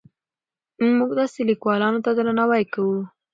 موږ داسې لیکوالانو ته درناوی کوو.